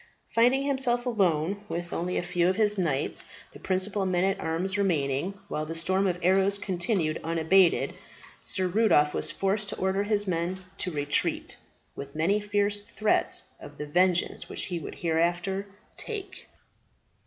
Finding himself alone with only a few of his knights and principal men at arms remaining, while the storm of arrows continued unabated, Sir Rudolph was forced to order his men to retreat, with many fierce threats of the vengeance which he would hereafter take.